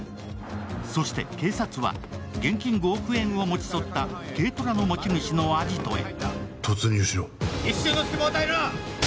そして警察は、現金５億円を持ち去った軽トラの持ち主のアジトへ。